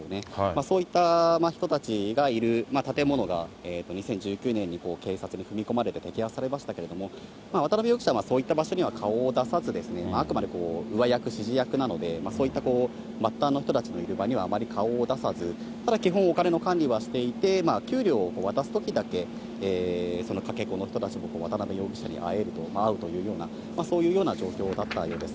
そういった人たちがいる建物が、２０１９年に警察に踏み込まれて摘発されましたけれども、渡辺容疑者はそういった場所には顔を出さず、あくまで上役、指示役なので、そういった末端の人たちのいる場にはあまり顔を出さず、ただ基本、お金の管理はしていて、給料を渡すときだけ、そのかけ子の人たちは、渡辺容疑者に会えると、会うというような、そういうような状況だったようです。